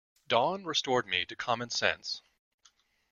Dawn restored me to common sense.